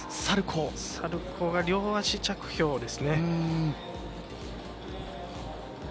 サルコーが両足着氷ですね。